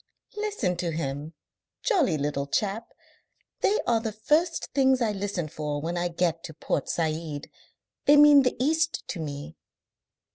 "Listen to him. Jolly little chap! They are the first things I listen for when I get to Port Said. They mean the East to me."